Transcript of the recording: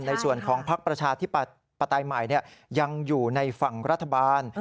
ในส่วนของพักประชาธิปไตยใหม่ยังอยู่ในฝั่งรัฐบาล